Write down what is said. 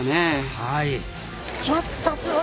はい。